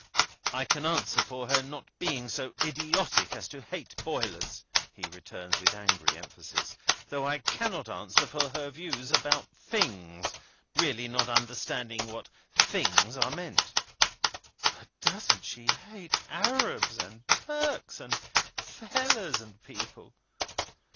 "I can answer for her not being so idiotic as to hate Boilers," he returns with angry emphasis; "though I cannot answer for her views about Things; really not understanding what Things are meant." "But don't she hate Arabs, and Turks, and Fellahs, and people?"